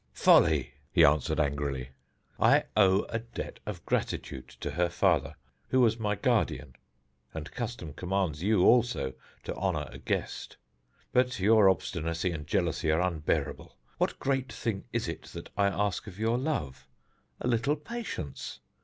"Folly!" he answered angrily. "I owe a debt of gratitude to her father, who was my guardian, and custom commands you also to honour a guest. But your obstinacy and jealousy are unbearable. What great thing is it that I ask of your love? A little patience.